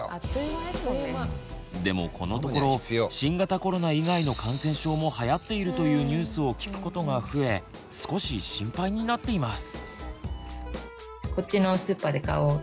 でもこのところ新型コロナ以外の感染症もはやっているというニュースを聞くことが増え少し心配になっています。